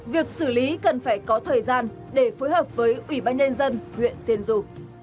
việc xử lý cần phải có thời gian để phối hợp với ủy ban nhân dân huyện tiên dụ